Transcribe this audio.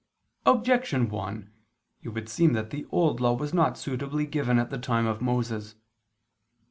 Objection 1: It would seem that the Old Law was not suitably given at the time of Moses.